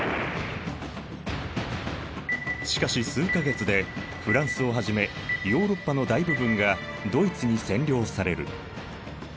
しかし数か月でフランスをはじめヨーロッパの大部分がドイツに占領される。